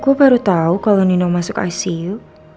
gue baru tau kalau nino masuk icu